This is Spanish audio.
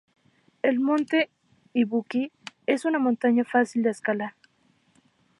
El Monte Ibuki es una montaña fácil de escalar.